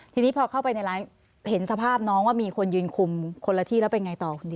ทีนี้พอเข้าไปในร้านเห็นสภาพน้องว่ามีคนยืนคุมคนละที่แล้วเป็นไงต่อคุณดิ